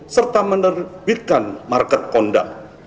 serta menerbitkan market conduct